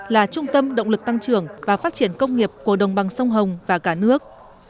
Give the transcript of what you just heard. là trung tâm động lực tăng trưởng và phát triển công nghiệp của đồng bằng sông hồng và cả nước